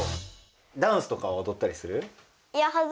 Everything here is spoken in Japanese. ダンスとかはおどったりする？